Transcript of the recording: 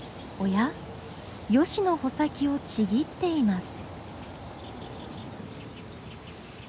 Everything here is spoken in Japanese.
ヨシの穂先をちぎっています。